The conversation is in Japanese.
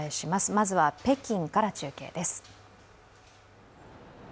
まずは北京から中継です。